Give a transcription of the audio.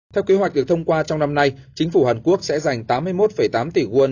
theo kế hoạch được thông qua trong năm nay chính phủ hàn quốc sẽ dành tám mươi một tám tỷ won